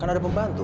kan ada pembantu